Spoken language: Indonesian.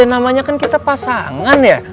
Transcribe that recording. namanya kan kita pasangan ya